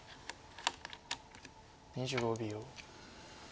２５秒。